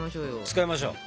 使いましょう。